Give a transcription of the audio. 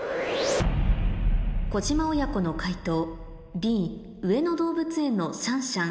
小島親子の解答Ｂ「上野動物園のシャンシャン